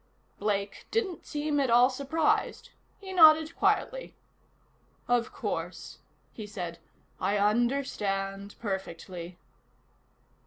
Blake didn't seem at all surprised. He nodded quietly. "Of course," he said. "I understand perfectly."